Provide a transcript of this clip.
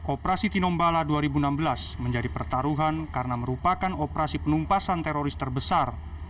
operasi tinombala dua ribu enam belas menjadi pertaruhan karena merupakan operasi penumpasan teroris terbesar